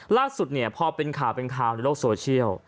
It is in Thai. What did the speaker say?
ล่าสุดพอเป็นข่าวในโลกโซเชียล